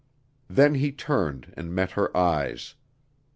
Then he turned and met her eyes.